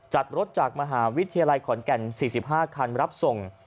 รถจากมหาวิทยาลัยขอนแก่น๔๕คันรับส่ง